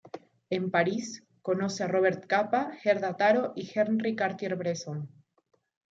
En París conoce a Robert Capa, Gerda Taro y Henri Cartier-Bresson.